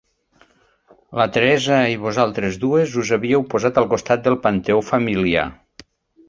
La Teresa i vosaltres dues us havíeu posat al costat del panteó familiar.